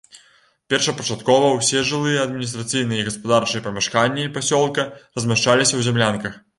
Першапачаткова ўсе жылыя, адміністрацыйныя і гаспадарчыя памяшканні пасёлка размяшчаліся ў зямлянках.